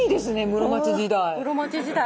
室町時代！